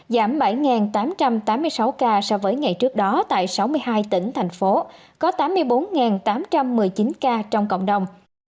giảm bảy tám trăm tám mươi sáu ca so với ngày trước đó tại sáu mươi hai tỉnh thành phố có tám mươi bốn tám trăm một mươi chín ca trong cộng đồng